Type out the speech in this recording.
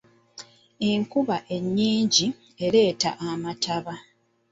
Enkuba ennyingi ereeta amataba.